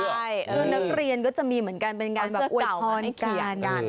แล้วนักเรียนก็จะมีเหมือนกันเป็นการอวยพรเขียน